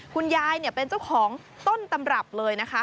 คุณยายเป็นเจ้าของต้นตำรับเลยนะคะ